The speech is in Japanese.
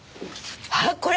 あっこれ！